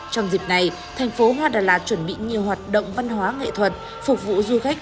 trong dịp này thành phố hoa đà lạt chuẩn bị nhiều hoạt động văn hóa nghệ thuật phục vụ du khách